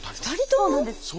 ２人とも？